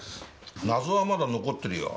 謎はまだ残ってるよ。